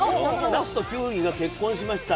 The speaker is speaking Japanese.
なすときゅうりが結婚しました。